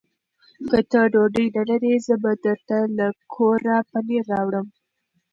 که ته ډوډۍ نه لرې، زه به درته له کوره پنېر راوړم.